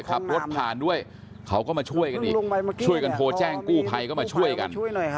ขับรถผ่านด้วยเขาก็มาช่วยกันอีกช่วยกันโทรแจ้งกู้ภัยก็มาช่วยกัน